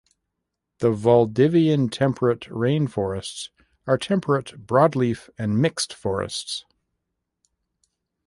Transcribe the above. The Valdivian temperate rain forests are temperate broadleaf and mixed forests.